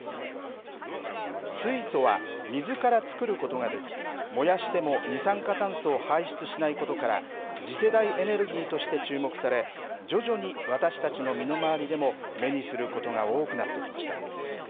水素は水から作ることができ、燃やしても二酸化炭素を排出しないことから、次世代エネルギーとして注目され、徐々に私たちの身の回りでも目にすることが多くなってきました。